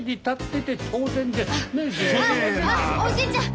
あっあっおじいちゃん